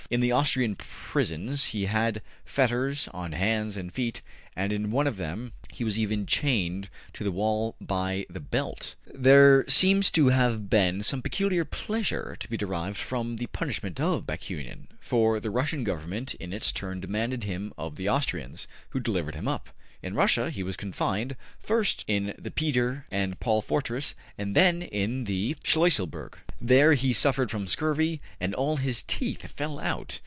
In the Austrian prisons he had fetters on hands and feet, and in one of them he was even chained to the wall by the belt. There seems to have been some peculiar pleasure to be derived from the punishment of Bakunin, for the Russian Government in its turn demanded him of the Austrians, who delivered him up. In Russia he was confined, first in the Peter and Paul fortress and then in the Schluesselburg. There be suffered from scurvy and all his teeth fell out.